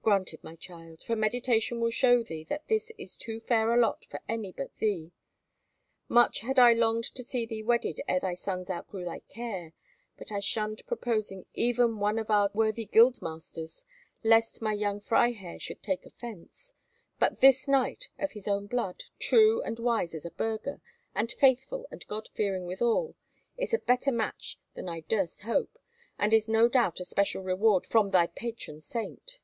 "Granted, my child, for meditation will show thee that this is too fair a lot for any but thee. Much had I longed to see thee wedded ere thy sons outgrew thy care, but I shunned proposing even one of our worthy guildmasters, lest my young Freiherr should take offence; but this knight, of his own blood, true and wise as a burgher, and faithful and God fearing withal, is a better match than I durst hope, and is no doubt a special reward from thy patron saint."